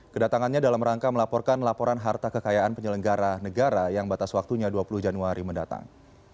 kedatangannya dalam rangka melaporkan laporan harta kekayaan penyelenggara negara yang batas waktunya dua puluh januari mendatang